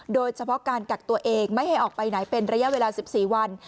โดยเฉพาะการกักตัวเองไม่ให้ออกไปไหนเป็นระยะเวลา๑๔วัน